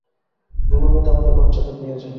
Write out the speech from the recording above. ঘুমের মধ্যে আমাদের বাচ্চাদের নিয়ে যায়।